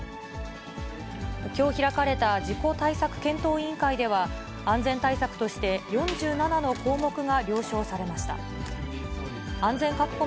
きょう開かれた事故対策検討委員会では、安全対策として、４７の項目が了承されました。